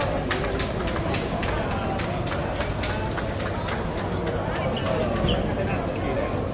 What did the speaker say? สวัสดีครับ